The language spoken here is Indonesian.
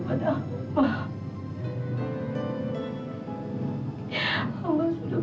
padilah bapak bersumpah om